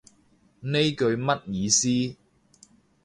呢句乜意思